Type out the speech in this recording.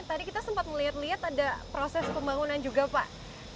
tadi kita sempat melihat lihat ada proses pembangunan juga pak